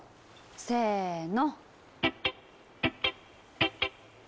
せの！